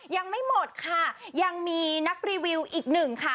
ยังไม่หมดค่ะยังมีนักรีวิวอีกหนึ่งค่ะ